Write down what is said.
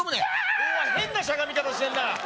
お前変なしゃがみ方してんな